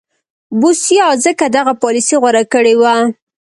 بوسیا ځکه دغه پالیسي غوره کړې وه.